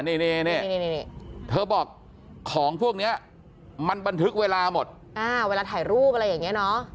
นี่เธอบอกของพวกนี้มันบันทึกเวลาหมดเวลาถ่ายรูปอะไรอย่างนี้เนอะ